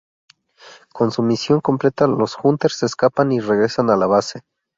Con su misión completa, los Hunters escapan y regresan a la base.